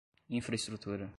infraestrutura